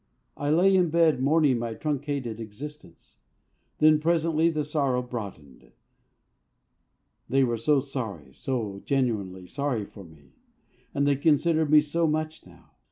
I lay in bed mourning my truncated existence. Then presently the sorrow broadened. They were so sorry, so genuinely sorry for me. And they considered me so much now.